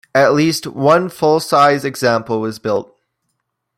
At least one full-size example was built.